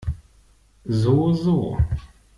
So, so.